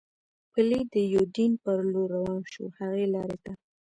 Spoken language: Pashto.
پلي د یوډین په لور روان شو، هغې لارې ته.